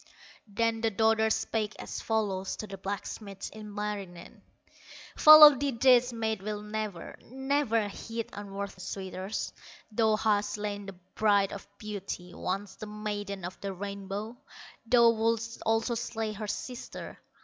Then the daughter spake as follows To the blacksmith, Ilmarinen: "Follow thee this maid will never, Never heed unworthy suitors; Thou hast slain the Bride of Beauty, Once the Maiden of the Rainbow, Thou wouldst also slay her sister.